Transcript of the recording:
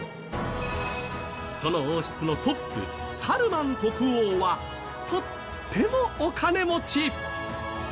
その王室のトップサルマン国王はとてもお金持ち。